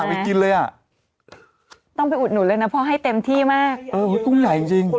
ไปกินเลยอ่ะต้องไปอุดหนุนเลยนะเพราะให้เต็มที่มากเออกุ้งใหญ่จริงจริง